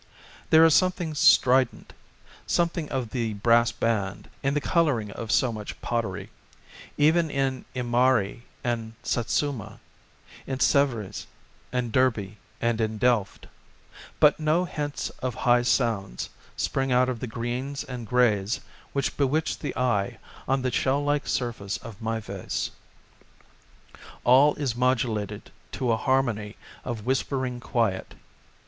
There is something strident, something of the brass band, in the colour ing of so much pottery, even in Iniari and Satzuma, in Sevres and Derby and in Delft, but no hints of high sounds spring out of the greens and greys which bewitch the eye on the shell like surface of my vase. All is modulated to a harmony of whispering quiet.